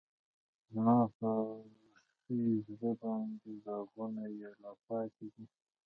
زما پر سوي زړه باندې داغونه یې لا پاتی دي